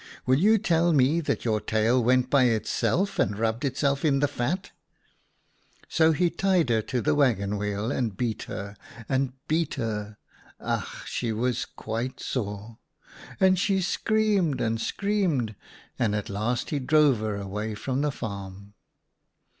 ' Will you tell me that your tail went by itself and rubbed itself in the fat ?'" So he tied her to the waggon wheel and beat her, and beat her — ach ! she was quite sore — and she screamed and screamed, and at last he drove her away from the farm.